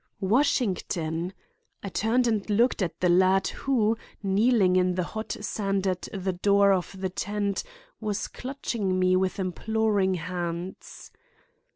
Washington! I turned and looked at the lad who, kneeling in the hot sand at the door of the tent, was clutching me with imploring hands.